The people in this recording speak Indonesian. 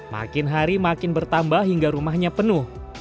makin hari makin bertambah hingga rumahnya penuh